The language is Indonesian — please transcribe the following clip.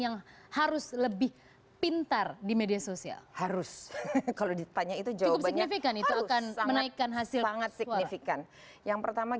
yang harus lebih pintar